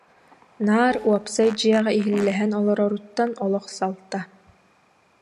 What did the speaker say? Наар уопсай дьиэҕэ иһиллэһэн олороруттан олох салта